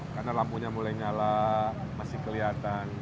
karena lampunya mulai nyala masih kelihatan